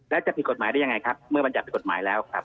และจะผิดกฎหมายได้อย่างไรครับเมื่อมันจากผิดกฎหมายแล้วครับ